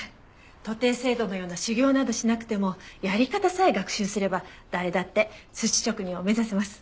徒弟制度のような修業などしなくてもやり方さえ学習すれば誰だって寿司職人を目指せます。